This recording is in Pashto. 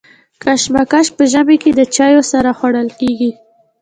کشمش په ژمي کي د چايو سره خوړل کيږي.